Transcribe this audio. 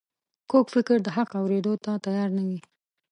کوږ فکر د حق اورېدو ته تیار نه وي